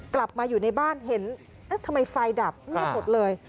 กลับมาอยู่ในบ้านเห็นเอ๊ะทำไมไฟดับเงียบหมดเลย